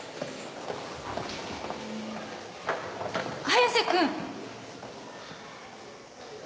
早瀬君！